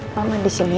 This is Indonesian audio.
mama disini ya